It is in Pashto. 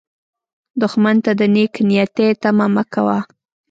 دښمن ته د نېک نیتي تمه مه کوه